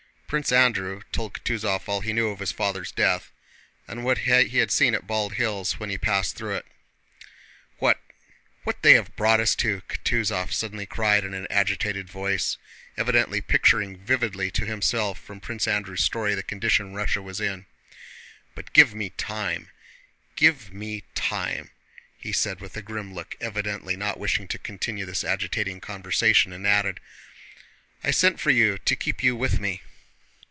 Prince Andrew told Kutúzov all he knew of his father's death, and what he had seen at Bald Hills when he passed through it. "What... what they have brought us to!" Kutúzov suddenly cried in an agitated voice, evidently picturing vividly to himself from Prince Andrew's story the condition Russia was in. "But give me time, give me time!" he said with a grim look, evidently not wishing to continue this agitating conversation, and added: "I sent for you to keep you with me."